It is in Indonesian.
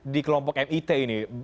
di kelompok mit ini